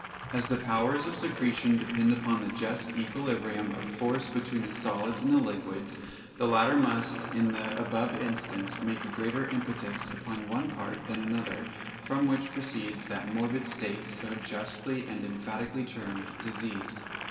As the powers of secretion depend upon the just equilibrium of force between the solids and the liquids, the latter must, in the above instance, make a greater impetus upon one part than another, from which proceeds that morbid state so justly and emphatically termed Disease.